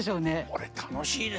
これ楽しいですよね。